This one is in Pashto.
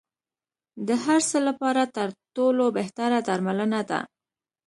د هر څه لپاره تر ټولو بهتره درملنه ده.